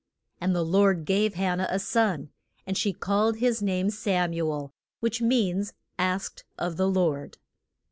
And the Lord gave Han nah a son, and she called his name Sam u el, which means "Asked of the Lord."